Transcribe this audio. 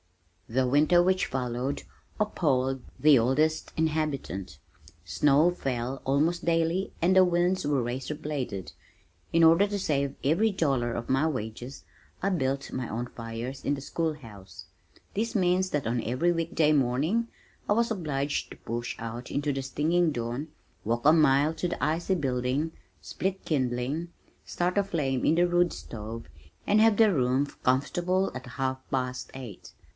The winter which followed appalled the oldest inhabitant. Snow fell almost daily, and the winds were razor bladed. In order to save every dollar of my wages, I built my own fires in the school house. This means that on every week day morning, I was obliged to push out into the stinging dawn, walk a mile to the icy building, split kindling, start a flame in the rude stove, and have the room comfortable at half past eight.